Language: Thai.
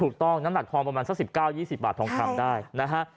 น้ำหนักทองประมาณสัก๑๙๒๐บาททองคำได้นะฮะ